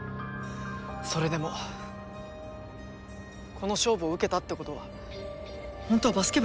それでもこの勝負を受けたってことは本当はバスケ部に入りたいんじゃ。